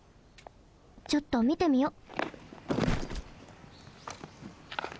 ちょっとみてみよっ。